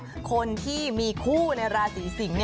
แต่ผู้ใหญ่อุปถัมธ์แล้วคนที่มีคู่ในราชศรีสิงศ์